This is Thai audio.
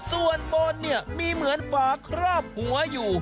ส่วนบนเนี่ยมีเหมือนฝาครอบหัวอยู่